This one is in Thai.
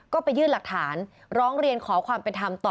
ก็ไปยื่นหลักฐานร้องเรียนขอความเป็นธรรมต่อ